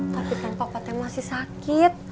tapi kan papa teh masih sakit